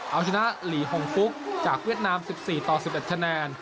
เอาชนะหลีฮงฟุกจากเวียดนาม๑๔ต่อ๑๑คะแนน